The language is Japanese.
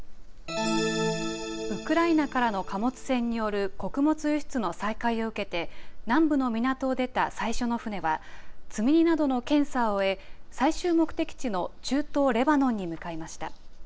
ウクライナからの貨物船による穀物輸出の再開を受けて南部の港を出た最初の船は積み荷などの検査を終え最終目的地の中東レバノンに向かいました。